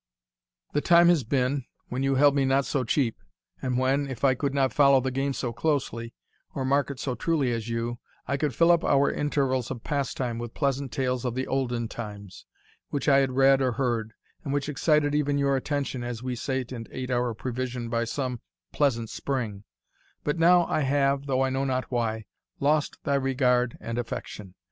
The time has been when you held me not so cheap; and when, if I could not follow the game so closely, or mark it so truly as you, I could fill up our intervals of pastime with pleasant tales of the olden times, which I had read or heard, and which excited even your attention as we sate and ate our provision by some pleasant spring but now I have, though I know not why, lost thy regard and affection.